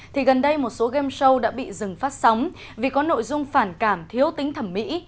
thì gần đây một số game show đã bị dừng phát sóng vì có nội dung phản cảm thiếu tính thẩm mỹ